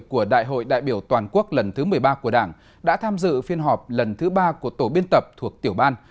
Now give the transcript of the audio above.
của đại hội đại biểu toàn quốc lần thứ một mươi ba của đảng đã tham dự phiên họp lần thứ ba của tổ biên tập thuộc tiểu ban